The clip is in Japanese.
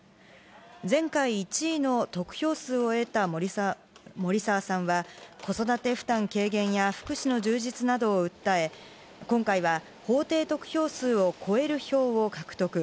前回１位の得票数を得た森沢さんは、子育て負担軽減や福祉の充実などを訴え、今回は法定得票数を超える票を獲得。